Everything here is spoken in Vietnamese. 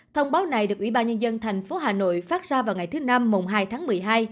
thông báo này được ủy ban nhân dân thành phố hà nội phát ra vào ngày thứ năm mùng hai